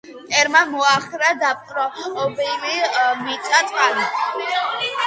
მტერმა მოაოხრა დაპყრობილი მიწა-წყალი.